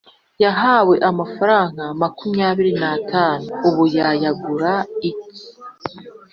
yahawe amafaranga makumyabiri n atanu ubu yayagura iki